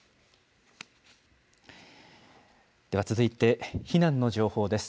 では続いて、避難の情報です。